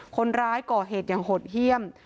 คนร้ายก่อเหตุอย่างหดเยี่ยม